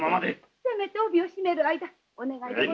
せめて帯を締める間お願い申し。